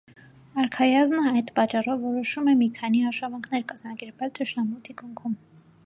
Արքայազնը այդ պատճառով որոշում է մի քանի արշավանքներ կազմակերպել թշնամու թիկունքում։